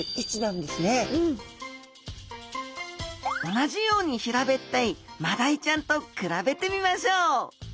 同じように平べったいマダイちゃんと比べてみましょう。